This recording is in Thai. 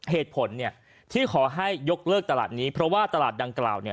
เหตุผลที่ขอให้ยกเลิกตลาดนี้เพราะว่าตลาดดังกล่าว